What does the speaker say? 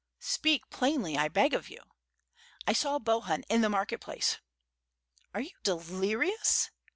"Speak plainly, I beg of you?'* "I saw Bohun in the market place." "Are you delirious?"